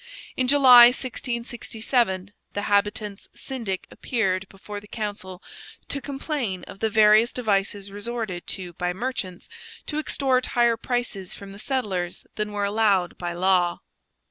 In July 1667, the habitants' syndic appeared before the council to complain of the various devices resorted to by merchants to extort higher prices from the settlers than were allowed by law.